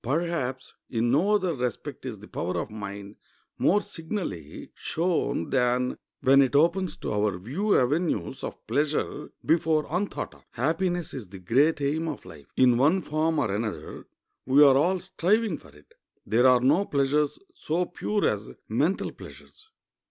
Perhaps in no other respect is the power of mind more signally shown than when it opens to our view avenues of pleasure before unthought of. Happiness is the great aim of life. In one form or another we are all striving for it. There are no pleasures so pure as mental pleasures.